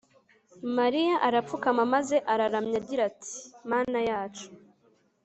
mariya arapfukama maze araramya agira ati manayacu